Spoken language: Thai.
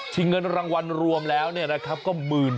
ชิงเงินรางวัลรวมแล้วนะครับก็๑๔๐๐๐